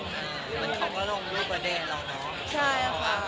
น่าสิ